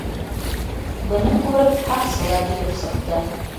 Быны күреп, һаҡсы ла килеп сыҡты: